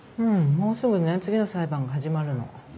もうすぐね次の裁判が始まるの。